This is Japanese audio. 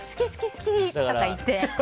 好き！とか言って。